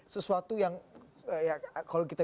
sesuatu yang kalau kita